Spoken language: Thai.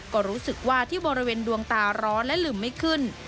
ก็รู้สึกว่าที่บริเวณดวงตาร้อนและลืมไม่ขึ้น